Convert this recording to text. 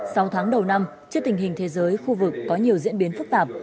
sau tháng đầu năm trước tình hình thế giới khu vực có nhiều diễn biến phức tạp